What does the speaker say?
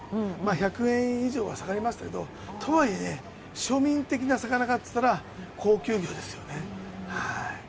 １００円以上は下がりましたけど、とはいえ、庶民的な魚かっていったら、高級魚ですよね。